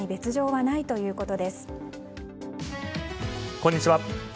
こんにちは。